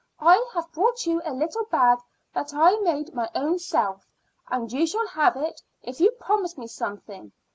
I have brought you a little bag that I made my own self, and you shall have it if you promise me something.